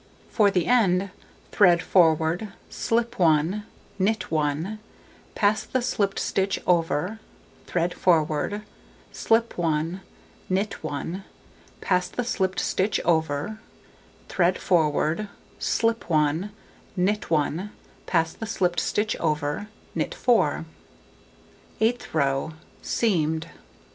For the end: thread forward, slip 1, knit 1, pass the slipped stitch over, thread forward, slip 1, knit 1, pass the slipped stitch over, thread forward, slip 1, knit 1, pass the slipped stitch over, knit 4. Eighth row: Seamed.